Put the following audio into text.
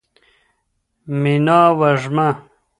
میناوږمه